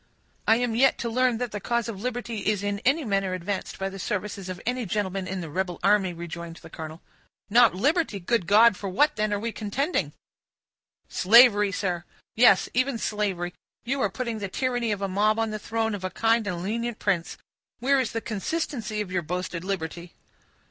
"I am yet to learn that the cause of liberty is in any manner advanced by the services of any gentleman in the rebel army," rejoined the colonel. "Not liberty! Good God, for what then are we contending?" "Slavery, sir; yes, even slavery; you are putting the tyranny of a mob on the throne of a kind and lenient prince. Where is the consistency of your boasted liberty?"